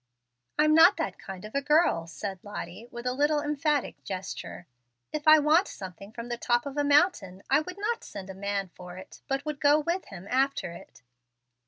"I'm not that kind of a girl," said Lottie, with a little emphatic gesture. "If I wanted something from the top of a mountain, I would not send a man for it, but would go with him after it.